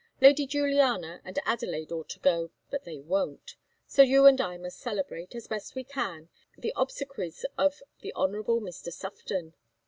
Lady Juliana and Adelaide ought to go, but they won't, so you and I must celebrate, as we best can, the obsequies of the Honourable Mr. Sufton."